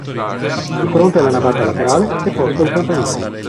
Di fronte alla navata laterale è posto il campanile.